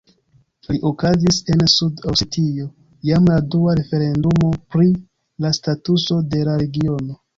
La okazis en Sud-Osetio jam la dua referendumo pri la statuso de la regiono.